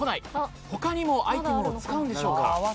他にもアイテムを使うんでしょうか。